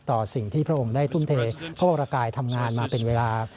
ต่อสิ่งที่พระองค์ได้ทุ่มเทพระวรกายทำงานมาเป็นเวลา